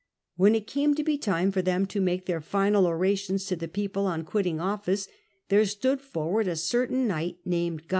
When it came to he time for them to make their final orations to the people on quitting office, there stood forward a certain knight named 0 .